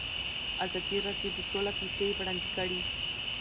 ازادي راډیو د سوله کیسې وړاندې کړي.